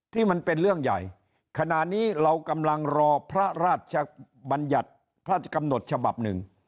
ที่มันเป็นเรื่องใหญ่ขณะนี้เรากำลังรอพระราชบัญญัติพระราชกำหนดฉบับหนึ่ง